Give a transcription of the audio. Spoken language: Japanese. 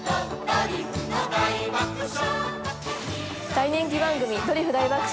「大人気番組『ドリフ大爆笑』」